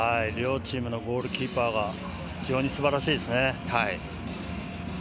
両チームのゴールキーパー非常にすばらしいですね。